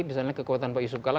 misalnya kekuatan pak yusuf kalla